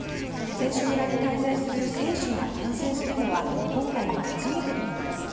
選手村に滞在する選手が感染するのは今回が初めてとなります。